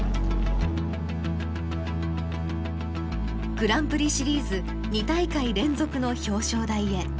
グランプリシリーズ２大会連続の表彰台へ。